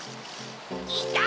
いた！